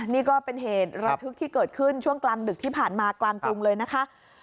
นี่ก็เป็นเหตุระทึกที่เกิดขึ้นช่วงกลางดึกที่ผ่านมากลางกรุงเลยนะคะ